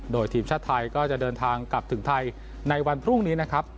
โดยทีมชาติไทยก็จะเดินทางกลับถึงไทยในวันพรุ่งนี้นะครับ